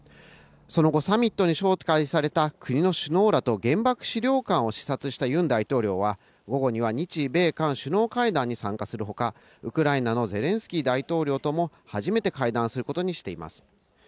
その後、サミットに招待された国の首脳らと原爆資料館を視察したユン大統領は午後には日米韓首脳会談に参加するほか、ウクライナのゼレンスキー大統領とも初めて会談することにしています。